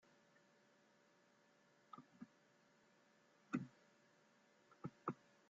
Todo le diferencia de su hermano: la fisonomía, la altura y el carácter.